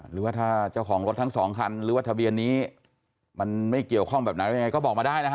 หรือว่าถ้าเจ้าของรถทั้งสองคันหรือว่าทะเบียนนี้มันไม่เกี่ยวข้องแบบไหนยังไงก็บอกมาได้นะฮะ